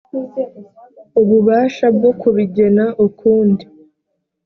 ububasha bwo kubigena ukundi